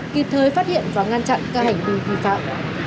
kịp thời phát hiện và ngăn chặn các hành vi vi phạm